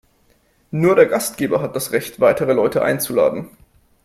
Nur der Gastgeber hat das Recht, weitere Leute einzuladen.